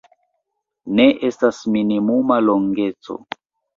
Ne estas minimuma longeco.